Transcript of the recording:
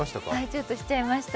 ちょっとしちゃいました。